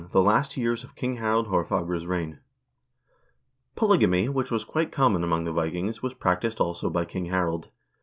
^The Last Years of King Harald Haarfagre's Reign Polygamy, which was quite common among the Vikings, was practiced, also, by King Harald.